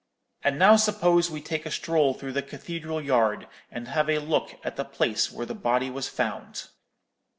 And now suppose we take a stroll through the cathedral yard, and have a look at the place where the body was found.'